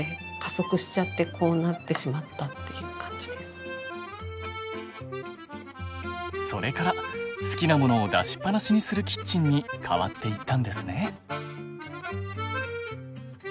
それが何かそれから好きなものを出しっぱなしにするキッチンに変わっていったんですね。